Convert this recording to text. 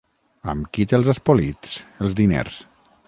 Amb qui te'ls has polits, els diners?